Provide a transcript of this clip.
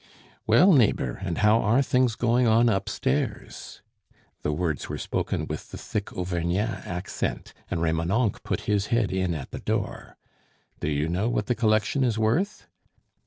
"Well, neighbor, and how are things going on upstairs?" The words were spoken with the thick Auvergnat accent, and Remonencq put his head in at the door. "Do you know what the collection is worth?"